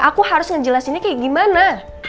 aku harus ngejelasinnya kayak gimana